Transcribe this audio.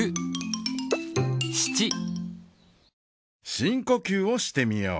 深呼吸をしてみよう。